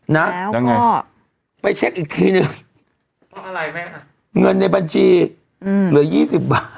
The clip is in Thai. แล้วก็ไปเช็คอีกทีนึงเงินในบัญชีเหลือ๒๐บาท